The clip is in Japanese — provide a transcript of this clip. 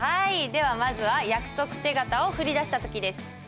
ではまずは約束手形を振り出した時です。